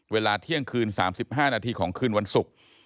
เวลาเที่ยงคืน๓๕นาทีของคืนวันศุกร์